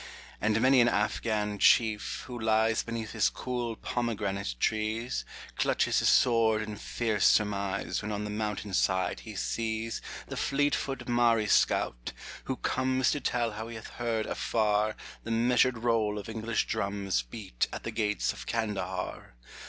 And many an Afghan chief, who lies Beneath his cool pomegranate trees, Clutches his sword in fierce surmise When on the mountainside he sees The fleet foot Marri scout, who comes To tell how he hath heard afar The measured roll of English drums Beat at the gates of Kandahar.